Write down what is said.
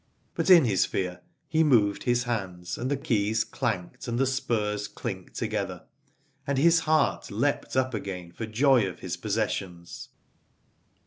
But in his fear he moved his hands, and the keys clanked and the spurs clinked together, and his heart leaped up again for oy of his possessions.